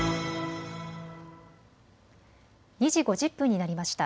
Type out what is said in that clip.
２時５０分になりました。